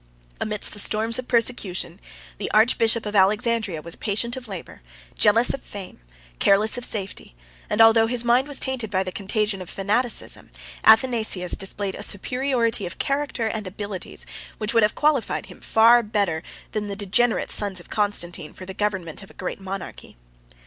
Amidst the storms of persecution, the archbishop of Alexandria was patient of labor, jealous of fame, careless of safety; and although his mind was tainted by the contagion of fanaticism, Athanasius displayed a superiority of character and abilities, which would have qualified him, far better than the degenerate sons of Constantine, for the government of a great monarchy.